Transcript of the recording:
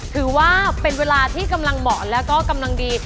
ถือว่าเป็นเวลาที่กำลังเหมาะแล้วก็กำลังดี